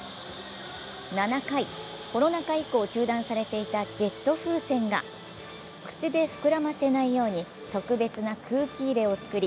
７回、コロナ禍以降中断されていたジェット風船が口で膨らませないように特別な空気入れを作り